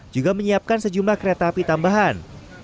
juga menyiapkan sejumlah kereta api tambahan